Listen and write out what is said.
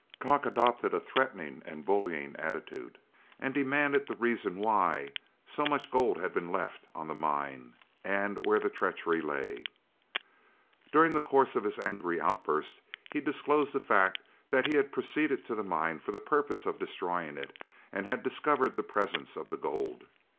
Kock adopted a threatening and bullying attitude, and demanded the reason why so much gold had been left on the mine, and where the treachery lay. During the course of his angry outburst he disclosed the fact that he had proceeded to the mine for the purpose of destroying it, and had discovered the presence of the gold.